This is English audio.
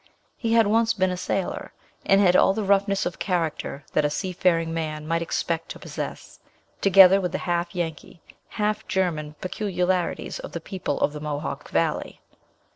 He had once been a sailor, and had all the roughness of character that a sea faring man might expect to possess; together with the half Yankee, half German peculiarities of the people of the Mohawk Valley.